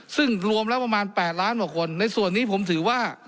ซึ่งรวมแล้วประมาณ๘ล้านกว่าคนในส่วนนี้ผมถือว่า